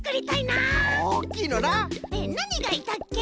なにがいたっけ？